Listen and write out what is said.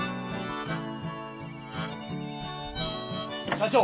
社長！